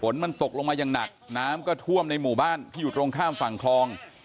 ฝนตกลงมาอย่างหนักน้ำก็ท่วมในหมู่บ้านที่อยู่ตรงข้ามฝั่งคลอง